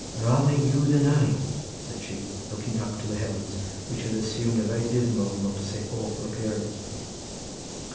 "Rather you than I," said she, looking up to the heavens which had assumed a very dismal, not to say awful appearance.